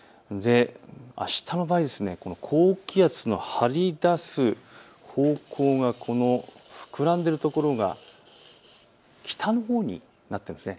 あしたの場合、この高気圧の張り出す方向が、膨らんでいるところが北のほうになっていますね。